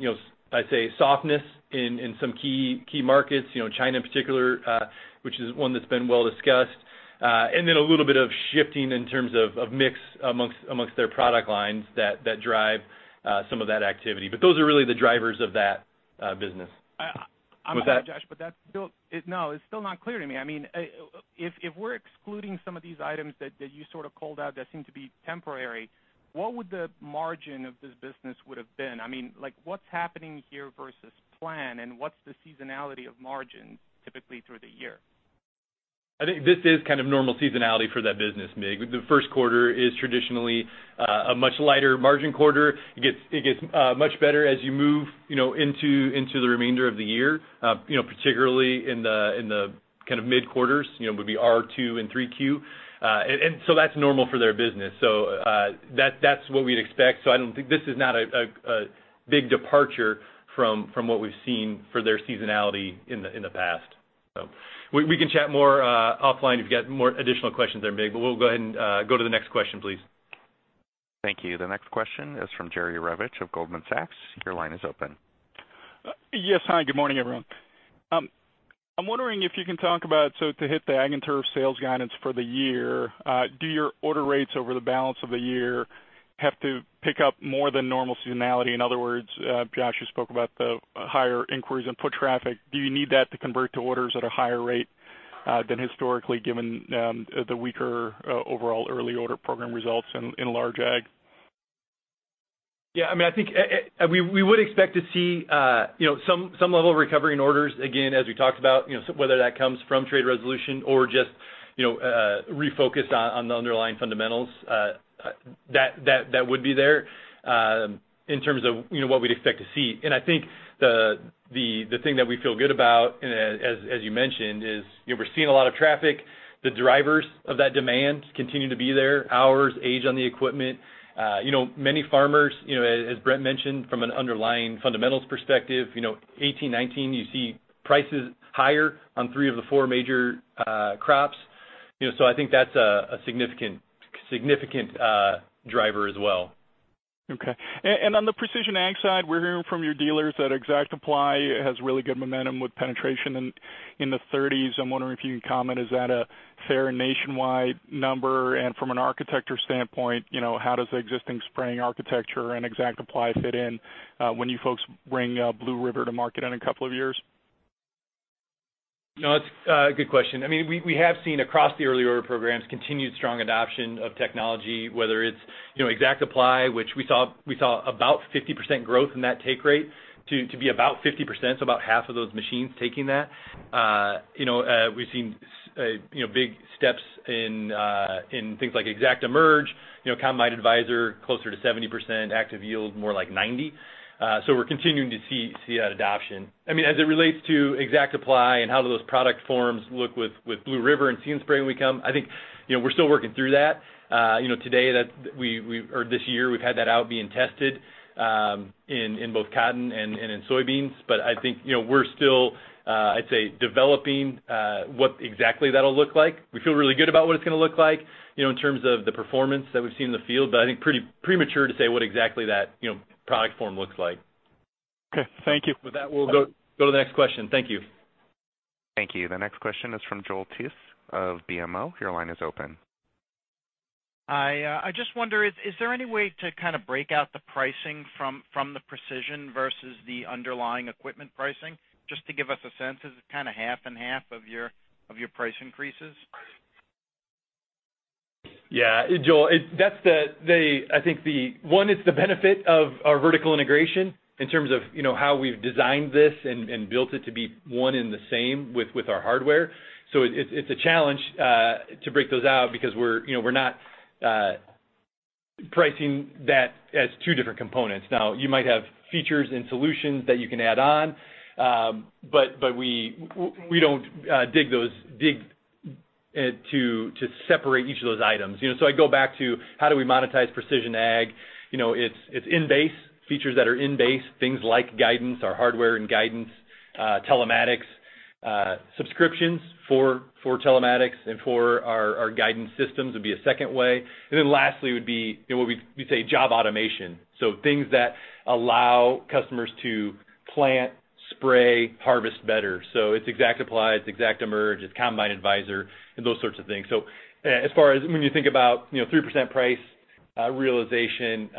I'd say, softness in some key markets, China in particular, which is one that's been well discussed. A little bit of shifting in terms of mix amongst their product lines that drive some of that activity. Those are really the drivers of that business. Was that?
I'm with you, Josh, that's still not clear to me. If we're excluding some of these items that you sort of called out that seem to be temporary, what would the margin of this business would have been? What's happening here versus plan and what's the seasonality of margin typically through the year?
I think this is kind of normal seasonality for that business, Mig. The first quarter is traditionally a much lighter margin quarter. It gets much better as you move into the remainder of the year, particularly in the mid-quarters, would be R2 and 3Q. That's normal for their business. That's what we'd expect. This is not a big departure from what we've seen for their seasonality in the past. We can chat more offline if you've got more additional questions there, Mig, we'll go ahead and go to the next question, please.
Thank you. The next question is from Jerry Revich of Goldman Sachs. Your line is open.
Yes. Hi, good morning, everyone. I'm wondering if you can talk about, to hit the Ag & Turf sales guidance for the year, do your order rates over the balance of the year have to pick up more than normal seasonality? In other words, Josh, you spoke about the higher inquiries and foot traffic. Do you need that to convert to orders at a higher rate than historically, given the weaker overall early order program results in large Ag?
We would expect to see some level of recovery in orders, again, as we talked about, whether that comes from trade resolution or just refocus on the underlying fundamentals that would be there in terms of what we'd expect to see. I think the thing that we feel good about, as you mentioned, is we're seeing a lot of traffic. The drivers of that demand continue to be there, hours, age on the equipment. Many farmers, as Brent mentioned, from an underlying fundamentals perspective, 2018, 2019, you see prices higher on three of the four major crops. I think that's a significant driver as well.
Okay. On the precision Ag side, we're hearing from your dealers that ExactApply has really good momentum with penetration in the 30s. I'm wondering if you can comment, is that a fair nationwide number? From an architecture standpoint, how does the existing sprayer architecture and ExactApply fit in when you folks bring Blue River to market in a couple of years?
No, it's a good question. We have seen across the early order programs continued strong adoption of technology, whether it's ExactApply, which we saw about 50% growth in that take rate to be about 50%, so about half of those machines taking that. We've seen big steps in things like ExactEmerge, Combine Advisor, closer to 70%, ActiveYield, more like 90%. We're continuing to see that adoption. As it relates to ExactApply and how do those product forms look with Blue River and See & Spray when we come, I think we're still working through that. This year, we've had that out being tested in both cotton and in soybeans. I think we're still, I'd say, developing what exactly that'll look like. We feel really good about what it's going to look like in terms of the performance that we've seen in the field, but I think pretty premature to say what exactly that product form looks like.
Okay. Thank you.
With that, we'll go to the next question. Thank you.
Thank you. The next question is from Joel Jackson of BMO. Your line is open.
I just wonder, is there any way to kind of break out the pricing from the precision versus the underlying equipment pricing? Just to give us a sense, is it kind of half and half of your price increases?
Yeah. Joel, one, it's the benefit of our vertical integration in terms of how we've designed this and built it to be one and the same with our hardware. It's a challenge to break those out because we're not pricing that as two different components. Now, you might have features and solutions that you can add on. We don't dig to separate each of those items. I go back to how do we monetize precision ag? It's in base, features that are in base, things like guidance, our hardware and guidance, telematics, subscriptions for telematics and for our guidance systems would be a second way. Lastly would be, we say job automation. Things that allow customers to plant, spray, harvest better. It's ExactApply, it's ExactEmerge, it's Combine Advisor, and those sorts of things. As far as when you think about 3% price realization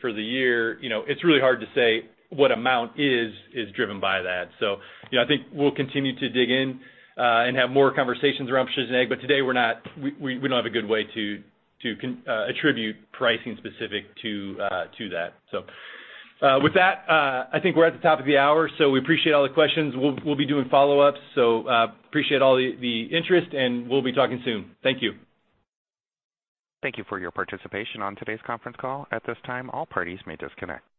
for the year, it's really hard to say what amount is driven by that. I think we'll continue to dig in and have more conversations around precision ag, but today we don't have a good way to attribute pricing specific to that. With that, I think we're at the top of the hour, so we appreciate all the questions. We'll be doing follow-ups. Appreciate all the interest, and we'll be talking soon. Thank you.
Thank you for your participation on today's conference call. At this time, all parties may disconnect.